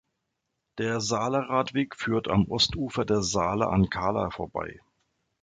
Der Saale-Radweg führt am Ostufer der Saale an Kahla vorbei.